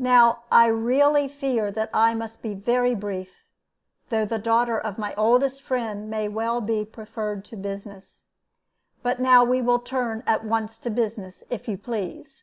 "Now I really fear that I must be very brief, though the daughter of my oldest friend may well be preferred to business. But now we will turn at once to business, if you please."